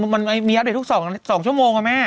มันเมี๊ยะเดี๋ยวทุก๒ชั่วโมงอ่ะแม่